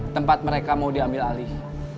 tempat mereka mau diambil alih